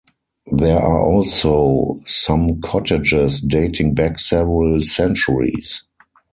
There are also some cottages dating back several centuries.